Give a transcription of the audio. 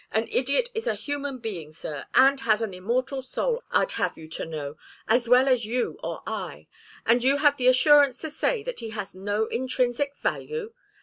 An idiot is a human being, sir, and has an immortal soul, I'd have you to know, as well as you or I. And you have the assurance to say that he has no intrinsic value!